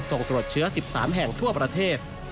ส่งตรวจเชื้อ๑๓แห่งทั่วประเทศ